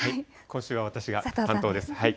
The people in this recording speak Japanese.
今週は私が担当です。